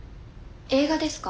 映画ですか？